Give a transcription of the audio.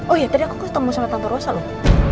oh ya tadi aku ketemu sama tante rosa loh